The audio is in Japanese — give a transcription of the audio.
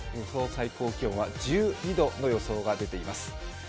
最高気温は１２度の予想が出ています。